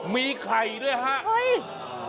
มีไข่ด้วยฮะเฮ้ย